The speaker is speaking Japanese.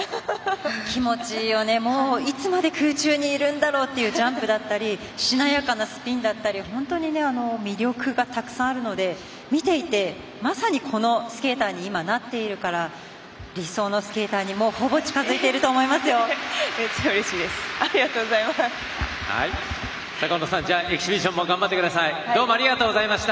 気持ちをいつまで空中にいるんだろうっていうジャンプだったりしなやかなスピンだったり本当に魅力がたくさんあるので見ていてまさにこのスケーターに今なっているから理想のスケーターにほぼ近づいていると思いますよ。